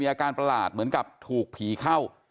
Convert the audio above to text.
อาการประหลาดเหมือนกับถูกผีเข้า